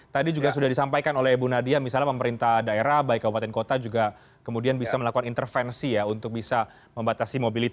terima kasih pak bupati